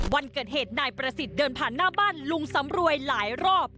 วันเกิดเหตุนายประสิทธิ์เดินผ่านหน้าบ้านลุงสำรวยหลายรอบ